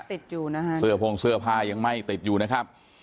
ติดอยู่นะคะเสื้อโพงเสื้อผ้ายังไม่ติดอยู่นะครับ